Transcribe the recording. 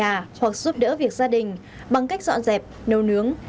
bà có thể giúp đỡ nhà hoặc giúp đỡ việc gia đình bằng cách dọn dẹp nấu nướng